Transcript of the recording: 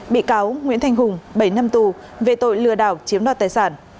bị cáo nguyễn thanh hùng bảy năm tù về tội lừa đảo chiếm đoạt tài sản